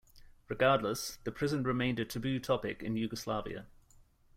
Regardless, the prison remained a taboo topic in Yugoslavia.